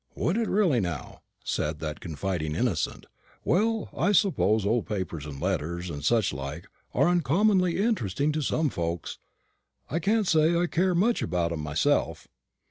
"Would it really, now?" said that confiding innocent. "Well, I suppose old papers, and letters, and such like, are uncommonly interesting to some folks. I can't say I care much about 'em myself."